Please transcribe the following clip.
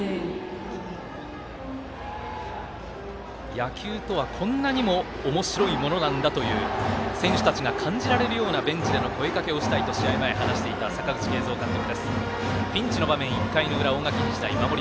野球とはこんなにもおもしろいものなんだという選手たちが感じられるようなベンチでの声がけをしたいと試合前、話していた阪口慶三監督。